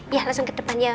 ya langsung ke depan ya